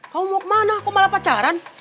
kamu mau kemana kok malah pacaran